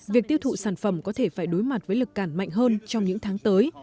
việc tiêu thụ sản phẩm có thể phải đối mặt với lực cản mạnh hơn trong những tháng tới